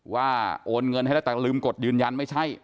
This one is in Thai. โอนเงินให้แล้วแต่ลืมกดยืนยันไม่ใช่